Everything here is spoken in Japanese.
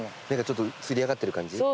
目がちょっとつり上がってる感じ？